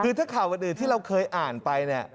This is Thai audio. คือถ้าข่าวอื่นที่เราเคยอ่านไปเนี่ย